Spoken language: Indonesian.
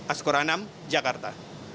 askur anam jakarta